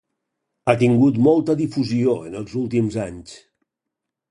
Ha tingut molta difusió en els últims anys.